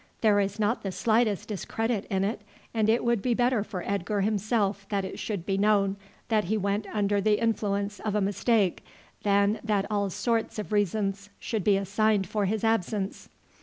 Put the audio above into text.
There is not the slightest discredit in it, and it would be better for Edgar himself that it should be known that he went under the influence of a mistake than that all sorts of reasons should be assigned for his absence.